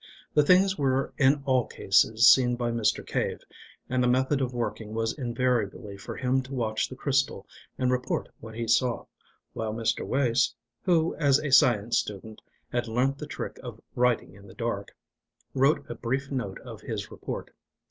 The things were in all cases seen by Mr. Cave, and the method of working was invariably for him to watch the crystal and report what he saw, while Mr. Wace (who as a science student had learnt the trick of writing in the dark) wrote a brief note of his report.